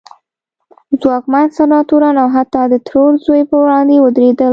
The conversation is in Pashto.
ځواکمن سناتوران او حتی د ترور زوی پر وړاندې ودرېدل.